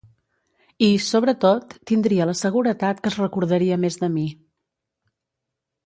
I, sobretot, tindria la seguretat que es recordaria més de mi.